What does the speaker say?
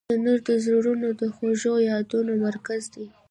تنور د زړونو د خوږو یادونو مرکز دی